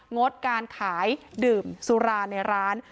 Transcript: งดการขายดื่มสุราในร้าน